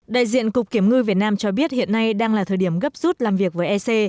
đại diện cục kiểm ngư việt nam cho biết hiện nay đang là thời điểm gấp rút làm việc với ec